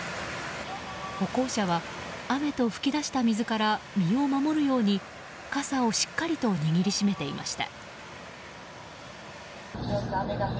歩行者は雨と噴き出した水から身を守るように傘をしっかりと握りしめていました。